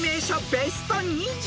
ベスト２０］